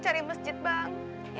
cari masjid bang